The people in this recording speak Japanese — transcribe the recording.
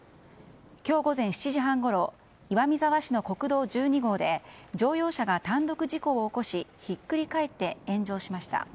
今日午前７時半ごろ岩見沢市の国道１２号で乗用車が単独事故を起こしひっくり返って炎上しました。